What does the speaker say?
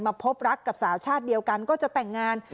พบรักกับสาวชาติเดียวกันก็จะแต่งงาน